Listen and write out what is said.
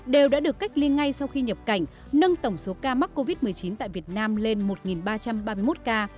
đều đã được cách ly ngay sau khi nhập cảnh nâng tổng số ca mắc covid một mươi chín tại việt nam lên một ba trăm ba mươi một ca